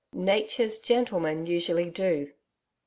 "Nature's gentlemen" usually do....'